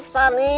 masih ada lagi